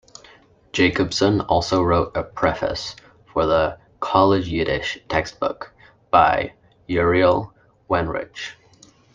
Jakobson also wrote a preface for the "College Yiddish" textbook by Uriel Weinreich.